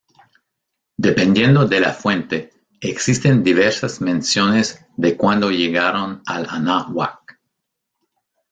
Dependiendo de la fuente, existen diversas menciones de cuándo llegaron al Anáhuac.